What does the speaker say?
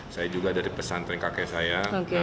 saya juga dari pesantren kakek saya